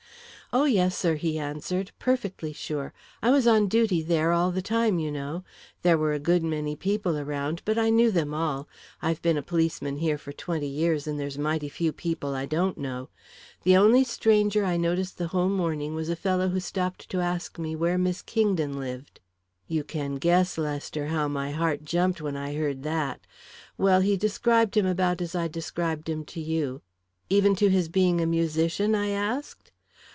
"'Oh, yes, sir,' he answered. 'Perfectly sure. I was on duty there all the time, you know. There were a good many people around, but I knew them all. I've been a policeman here for twenty years, and there's mighty few people I don't know. The only stranger I noticed the whole morning was a fellow who stopped to ask me where Miss Kingdon lived.' "You can guess, Lester, how my heart jumped when I heard that! Well, he described him about as I described him to you " "Even to his being a musician?" I asked.